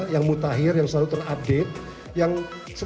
yang mutakhir yang selalu terupdate